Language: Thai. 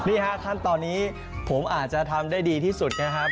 นี่ฮะขั้นตอนนี้ผมอาจจะทำได้ดีที่สุดนะครับ